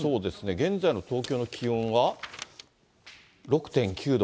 現在の東京の気温は６．９度。